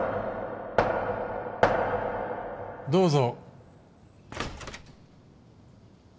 どうぞ。